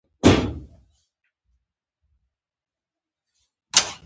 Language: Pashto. ایا اسپرین خورئ؟